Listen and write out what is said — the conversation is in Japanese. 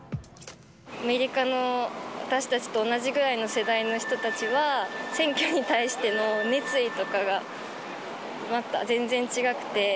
アメリカの、私たちと同じぐらいの世代の人たちは、選挙に対しての熱意とかが、全然ちがくて。